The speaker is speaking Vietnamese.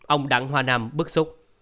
ông đặng hòa nam bức xúc